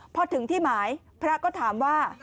พอถึงที่หมายพระก็ถามว่า